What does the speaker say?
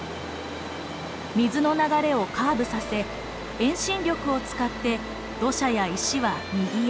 水の流れをカーブさせ遠心力を使って土砂や石は右へ。